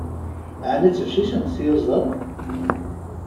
Ɛni ttbeccicent tyuzaḍ?